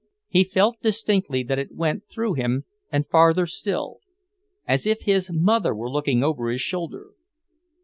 He felt distinctly that it went through him and farther still... as if his mother were looking over his shoulder.